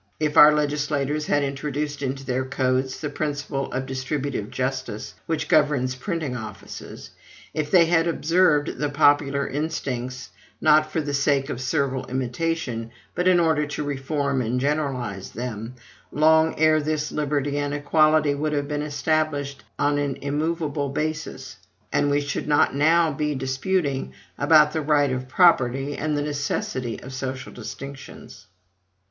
If our legislators had introduced into their codes the principle of distributive justice which governs printing offices; if they had observed the popular instincts, not for the sake of servile imitation, but in order to reform and generalize them, long ere this liberty and equality would have been established on an immovable basis, and we should not now be disputing about the right of property and the necessity of social distinctions.